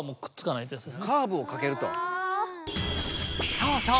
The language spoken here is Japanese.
そうそう。